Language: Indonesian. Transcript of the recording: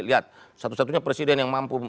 lihat satu satunya presiden yang mampu